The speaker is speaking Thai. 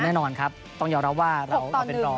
แน่นอนครับต้องยอมรับว่าเราเป็นรอง